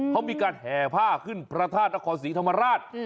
เขามีการแห่ผ้าขึ้นพระธาตุนครศรีธรรมราช